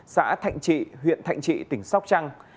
xã thạnh trị huyện thạnh trị tỉnh sóc trăng